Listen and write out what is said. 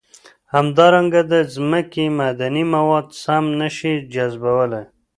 همدارنګه د ځمکې معدني مواد سم نه شي جذبولی.